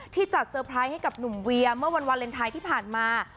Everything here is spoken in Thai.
จัดเซอร์ไพรส์ให้กับหนุ่มเวียเมื่อวันวาเลนไทยที่ผ่านมา